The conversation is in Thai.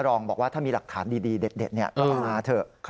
รองบอกว่าถ้ามีหลักฐานดีเด็ดก็มาเถอะ